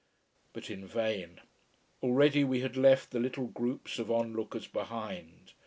But in vain. Already we had left the little groups of onlookers behind.